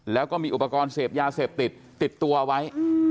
แล้วก็มีอุปกรณ์เสพยาเสพติดติดตัวไว้